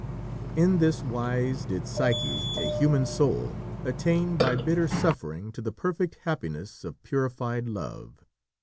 In this wise did Psyche, a human soul, attain by bitter suffering to the perfect happiness of purified love.